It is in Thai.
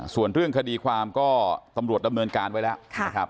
ส่วนเรื่องคดีความก็ตำรวจดำเนินการไว้แล้วนะครับ